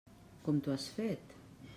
Com t'ho has fet?